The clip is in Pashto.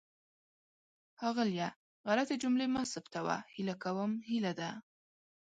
ښاغلیه! غلطې جملې مه ثبتوه. هیله کوم هیله ده.